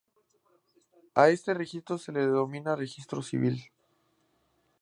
A este registro se le denomina registro civil.